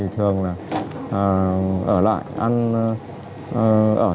thường là ở lại